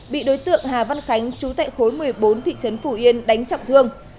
bị đối tượng hà văn khánh chú tệ khối một mươi bốn thị trấn phù yên đánh chọc thương